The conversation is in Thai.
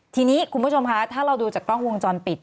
ทีนี้คุณผู้ชมคะถ้าเราดูจากกล้องวงจรปิด